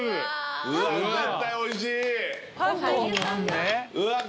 絶対おいしい。